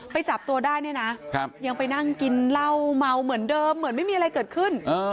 จับตัวได้เนี่ยนะยังไปนั่งกินเหล้าเมาเหมือนเดิมเหมือนไม่มีอะไรเกิดขึ้น